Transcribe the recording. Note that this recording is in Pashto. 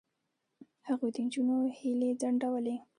هغوی د نجونو هیلې ځنډولې.